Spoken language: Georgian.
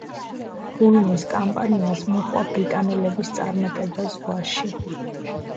ულმის კამპანიას მოყვა ბრიტანელების წარმატება ზღვაში.